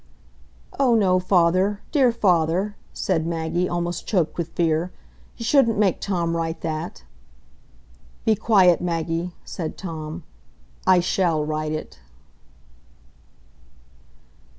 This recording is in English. "Oh no, father, dear father!" said Maggie, almost choked with fear. "You shouldn't make Tom write that." "Be quiet, Maggie!" said Tom. "I shall write it."